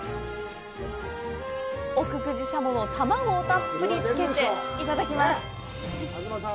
奥久慈しゃもの卵をたっぷりつけていただきます。